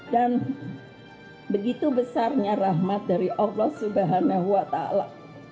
dan begitu besarnya rahmat dari allah subhanahu wa ta'ala